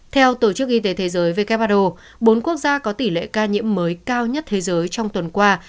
theo tổ chức y tế thế giới who bốn quốc gia có tỷ lệ ca nhiễm mới cao nhất thế giới trong tuần qua